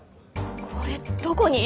これどこに？